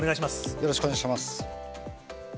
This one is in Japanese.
よろしくお願いします。